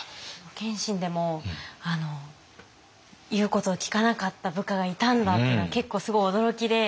謙信でも言うことを聞かなかった部下がいたんだっていうのは結構すごい驚きで。